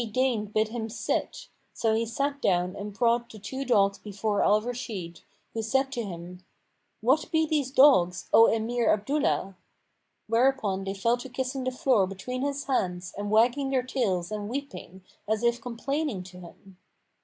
He deigned bid him sit; so he sat down and brought the two dogs before Al Rashid, who said to him "What be these dogs, O Emir Abdullah?" Whereupon they fell to kissing the floor between his hands and wagging their tails and weeping, as if complaining to him.